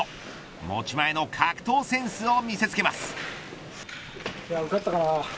持ち前の格闘センスを見せつけます。